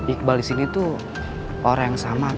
iqbal disini tuh orang yang sama atau bukan